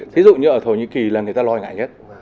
thí dụ như ở thổ nhĩ kỳ là người ta lo ngại nhất